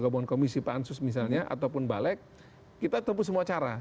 gabungan komisi pansus misalnya ataupun balek kita tempuh semua cara